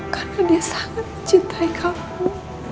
karena dia sangat mencintai kamu